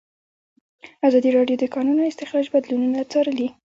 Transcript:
ازادي راډیو د د کانونو استخراج بدلونونه څارلي.